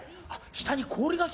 下に氷が？